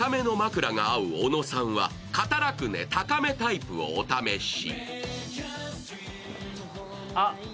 高めの枕が合う小野さんは、肩楽寝高めタイプをお試し。